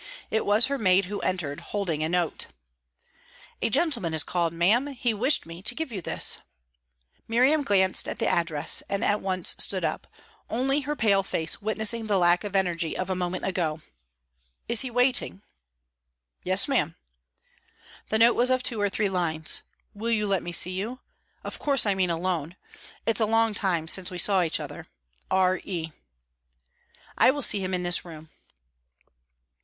It was her maid who entered, holding a note. "A gentleman has called, ma'am. He wished me to give you this." Miriam glanced at the address, and at once stood up, only her pale face witnessing the lack of energy of a moment ago. "Is he waiting?" "Yes, ma'am." The note was of two or three lines: "Will you let me see you? Of course I mean alone. It's a long time since we saw each other. R. E." "I will see him in this room."